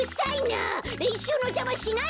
れんしゅうのじゃましないでよ！